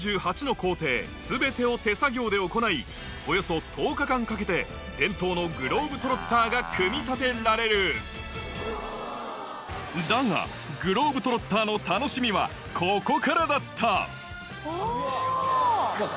こうしておよそ１０日間かけて伝統のグローブ・トロッターが組み立てられるだがグローブ・トロッターの楽しみはここからだったあ。